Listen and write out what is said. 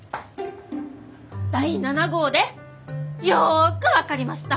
第７号でよく分かりました。